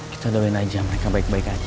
kita doain aja mereka baik baik aja